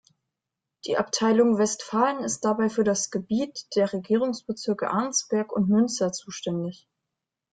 Die Abteilung Westfalen ist dabei für das Gebiet der Regierungsbezirke Arnsberg und Münster zuständig.